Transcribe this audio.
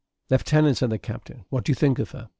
"Leftenant," said the captain, "what do you think of her?"